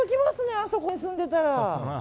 あそこに住んでいたら。